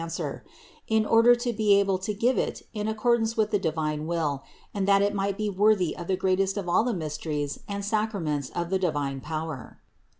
THE INCARNATION 109 in order to be able to give it in accordance with the divine will and that it might be worthy of the greatest of all the mysteries and sacraments of the divine power.